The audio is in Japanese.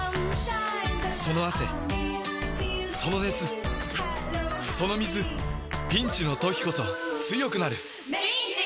その汗その熱その水ピンチの時こそ強くなる！